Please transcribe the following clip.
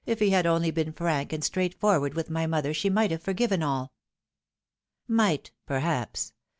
If he had only been frank and straightforward with my mother she might have forgiven all." Might, perhaps.